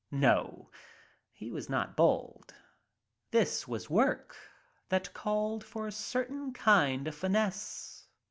No, he was not bold. This was work that called for a certain kind of finesse.